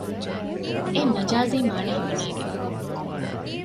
އެއީ މަޖާޒީ މާނަ ހިމަނައިގެން